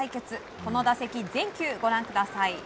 この打席、全球ご覧ください。